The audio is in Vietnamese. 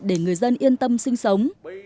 để người dân yên tâm sinh sống